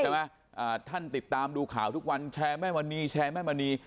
ท่านติดตามดูข่าวทุกวันแชร์แม่มณีแชร์แม่มณี